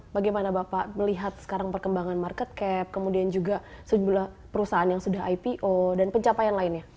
bagaimana bapak melihat sekarang perkembangan market cap kemudian juga sejumlah perusahaan yang sudah ipo dan pencapaian lainnya